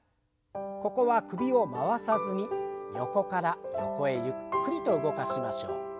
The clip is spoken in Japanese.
ここは首を回さずに横から横へゆっくりと動かしましょう。